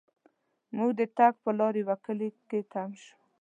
مونږ د تګ پر لار یوه کلي کې تم شوو.